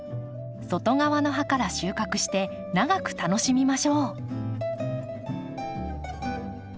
外側の葉から収穫して長く楽しみましょう。